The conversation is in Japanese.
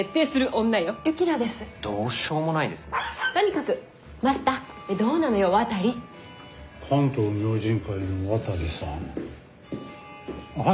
「関東明神会」の渡さん。